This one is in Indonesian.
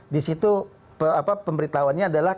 di situ pemberitahuannya adalah